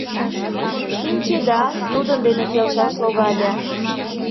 Шинчеда, тудын дене келшаш логале.